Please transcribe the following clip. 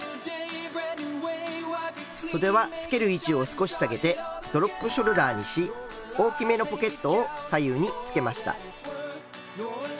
そではつける位置を少し下げてドロップショルダーにし大きめのポケットを左右につけました。